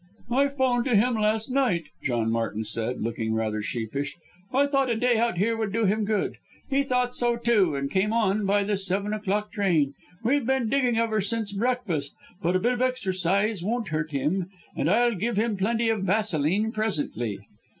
"I 'phoned to him last night," John Martin said, looking rather sheepish. "I thought a day out here would do him good. He thought so too, and came on by the seven o'clock train. We've been digging ever since breakfast but a bit of exercise won't hurt him, and I'll give him plenty of vaseline presently."